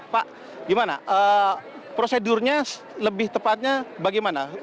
pak gimana prosedurnya lebih tepatnya bagaimana